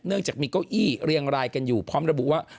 จากมีเก้าอี้เรียงรายกันอยู่พร้อมระบุว่า